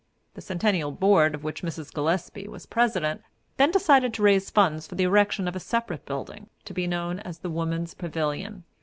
The centennial board, of which Mrs. Gillespie was president, then decided to raise funds for the erection of a separate building, to be known as the Woman's Pavilion.